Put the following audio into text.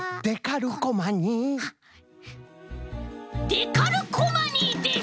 デカルコマニーです！